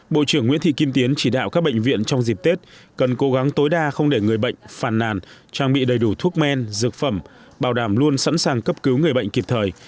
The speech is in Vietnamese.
bộ trưởng nguyễn thị kim tiến chỉ đạo các bệnh viện trong dịp tết cần cố gắng tối đa không để người bệnh phàn nàn trang bị đầy đủ thuốc men dược phẩm bảo đảm luôn sẵn sàng cấp cứu người bệnh kịp thời